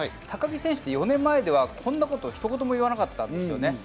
高木選手って４年前ではこんなこと一言も言わなかったんですよね。